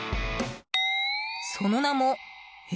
その名も、え？